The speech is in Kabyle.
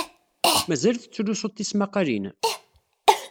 Mazal tettlusud tismaqqalin?